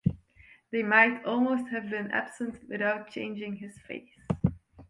They might almost have been absent without changing his face.